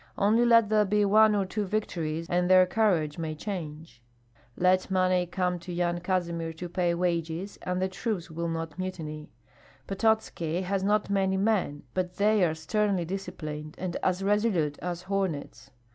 Only let there be one or two victories and their courage may change. Let money come to Yan Kazimir to pay wages, and the troops will not mutiny. Pototski has not many men, but they are sternly disciplined and as resolute as hornets.